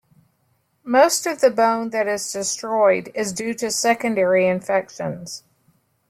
Most of the bone that is destroyed is due to secondary infections.